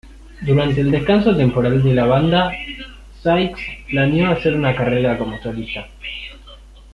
Durante el descanso temporal de la banda, Sykes planeó hacer una carrera como solista.